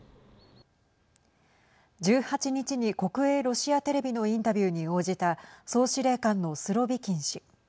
１８日に国営ロシアテレビのインタビューに応じた総司令官のスロビキン氏。